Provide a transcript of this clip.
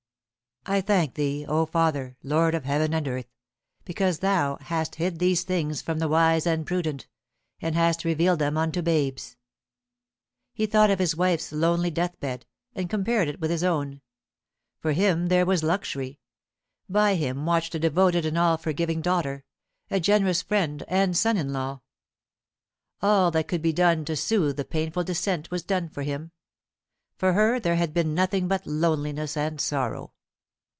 'I thank Thee, O Father, Lord of heaven and earth, because Thou hast hid these things from the wise and prudent, and hast revealed them unto babes.'" He thought of his wife's lonely deathbed, and compared it with his own. For him there was luxury; by him watched a devoted and all forgiving daughter, a generous friend and son in law. All that could be done to soothe the painful descent was done for him. For her there had been nothing but loneliness and sorrow.